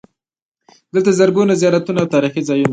دلته زرګونه زیارتونه او تاریخي ځایونه دي.